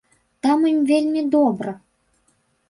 Там ім вельмі добра!